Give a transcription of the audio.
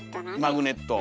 マグネット。